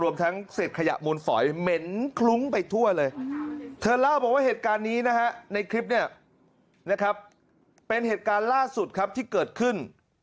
ในคลิปเนี่ยนะครับเป็นเหตุการณ์ล่าสุดครับที่เกิดขึ้น